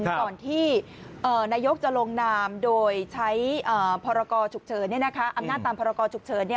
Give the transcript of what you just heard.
ก่อนที่นายกจะลงนามโดยใช้พรกรฉุกเฉินอำนาจตามพรกรฉุกเฉิน